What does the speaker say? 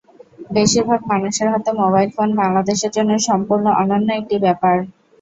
বেশির ভাগ মানুষের হাতে মোবাইল ফোন বাংলাদেশের জন্য সম্পূর্ণ অনন্য একটি ব্যাপার।